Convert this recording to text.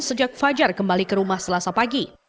sejak fajar kembali ke rumah selasa pagi